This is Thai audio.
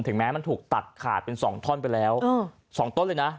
ถึงแม้มันถูกตัดขาดเป็น๒ท่อนไปแล้ว๒ต้นเลยนะ